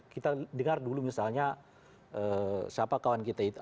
kita dengar dulu misalnya siapa kawan kita itu